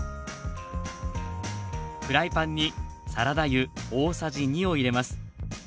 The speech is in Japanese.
フライパンにサラダ油大さじ２を入れます。